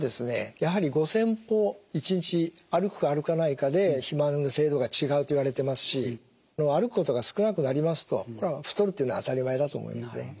やはり５，０００歩１日歩くか歩かないかで肥満の程度が違うといわれてますし歩くことが少なくなりますと太るというのは当たり前だと思いますね。